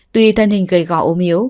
tuy thân hình gầy gõ ôm hiếu